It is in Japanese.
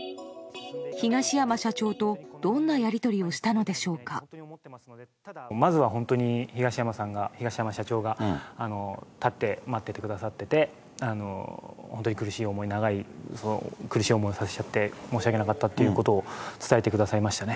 東山社長とどんなやり取りをしたまずは本当に、東山さんが、東山社長が、立って待っててくださってて、本当に苦しい思い、長い間、苦しい思いをさせちゃって、申し訳なかったということを伝えてくださいましたね。